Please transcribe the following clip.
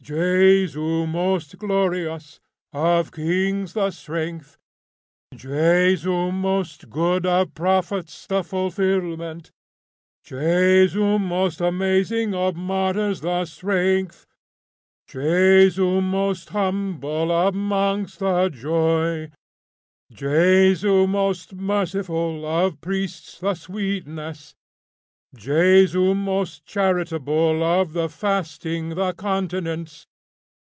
Jesu most glorious, of kings the strength. Jesu most good, of prophets the fulfilment. Jesu most amazing, of martyrs the strength. Jesu most humble, of monks the joy. Jesu most merciful, of priests the sweetness. Jesu most charitable, of the fasting the continence.